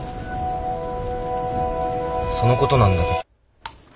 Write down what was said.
そのことなんだけど。